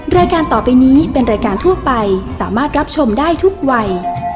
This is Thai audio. รายการต่อไปนี้เป็นรายการทั่วไปสามารถรับชมได้ทุกวัย